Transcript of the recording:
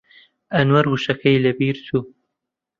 ئەنوەر وشەکەی لەبیر چوو.